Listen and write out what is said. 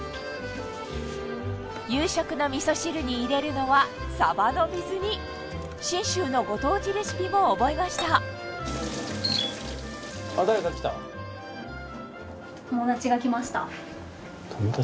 夕食の味噌汁に入れるのはサバの水煮信州のご当地レシピも覚えました友達が来ました